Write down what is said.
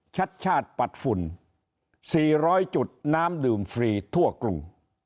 ชัดชาติปัดฝุ่น๔๐๐จุดน้ำดื่มฟรีทั่วกรุง